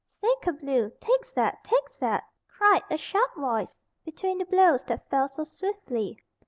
"Sacre bleu! Take zat! And zat!" cried a sharp voice, between the blows that fell so swiftly.